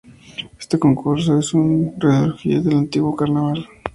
Este concurso es un resurgir del antiguo carnaval.